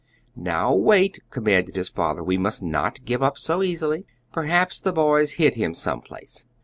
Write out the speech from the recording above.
"Now wait," commanded his father, "we must not give up so easily. Perhaps the boys hid him some place."